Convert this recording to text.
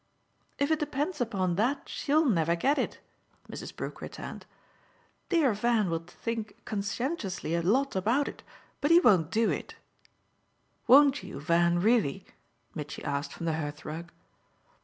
"If it depends upon that she'll never get it," Mrs. Brook returned. "Dear Van will think conscientiously a lot about it, but he won't do it." "Won't you, Van, really?" Mitchy asked from the hearth rug.